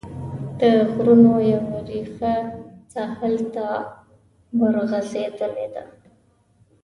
د غرونو یوه ريښکه ساحل ته ورغځېدلې ده.